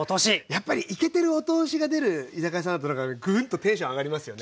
やっぱりいけてるお通しが出る居酒屋さんだとなんかグーンとテンション上がりますよね。